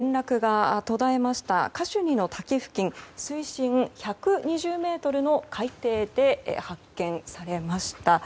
船との連絡が途絶えましたカシュニの滝付近水深１２０ｍの海底で発見されました。